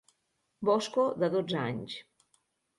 Bosco de dotze anys.